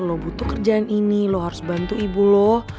lo butuh kerjaan ini lo harus bantu ibu lo